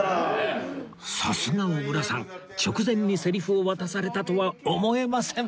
さすが小倉さん直前にセリフを渡されたとは思えません！